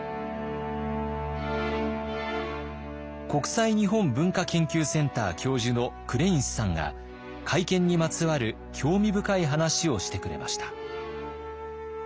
国際日本文化研究センター教授のクレインスさんが会見にまつわる興味深い話をしてくれました。